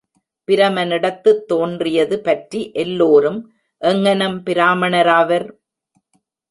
பிரமனிடத்துத் தோன்றியது பற்றி எல்லோரும் எங்ஙனம் பிராமணராவர்?